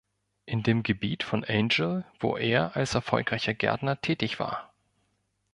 In dem Gebiet von Angel, wo er als erfolgreicher Gärtner tätig war.